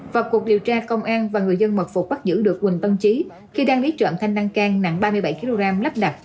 vào cuộc điều tra công an và người dân mật phục bắt giữ được quỳnh tân trí khi đang lấy trộm thanh năng cang nặng ba mươi bảy kg lắp đặt